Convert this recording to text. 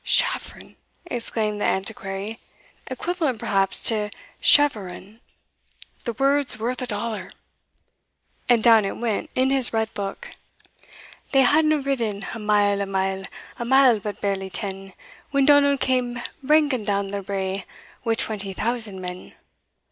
" "Chafron!" exclaimed the Antiquary, "equivalent, perhaps, to cheveron; the word's worth a dollar," and down it went in his red book. "They hadna ridden a mile, a mile, A mile, but barely ten, When Donald came branking down the brae Wi' twenty thousand men.